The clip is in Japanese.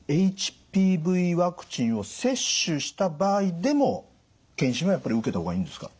あのＨＰＶワクチンを接種した場合でも検診はやっぱり受けた方がいいんですか？